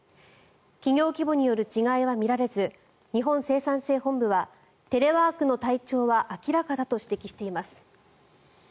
企業規模による違いは見られず日本生産性本部はテレワークの退潮は明らかだと指摘しています。